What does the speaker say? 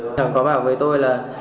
anh thắng có bảo với tôi là